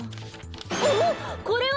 おおっこれは！